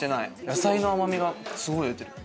野菜の甘みがすごい出てる。